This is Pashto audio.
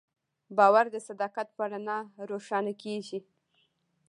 باور د صداقت په رڼا روښانه کېږي.